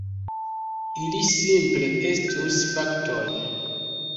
Ili simple estus faktoj.